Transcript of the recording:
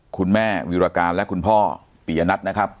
คุณแม่วิรการและคุณพ่อปียนัทนะครับ